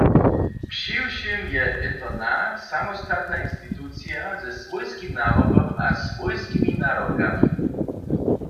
Přiwšěm je internat samostatna institucija ze swójskim narokom a swójskimi nadawkami.